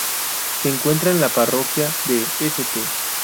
Se encuentra en la parroquia de St.